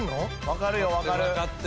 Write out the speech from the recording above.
分かるよ分かる。